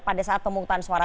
pada saat pemukutan suara